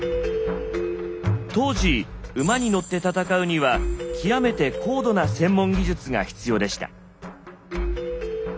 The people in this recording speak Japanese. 当時馬に乗って戦うには極めて高度な専門技術が必要でした。